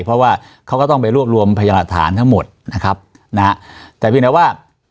เพราะว่าเขาก็ต้องไปรวบรวมพยานหลักฐานทั้งหมดนะครับนะฮะแต่เพียงแต่ว่า